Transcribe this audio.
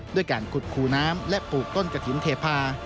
ด้วยการขุดคูน้ำและปลูกต้นกะถิ่นเทพา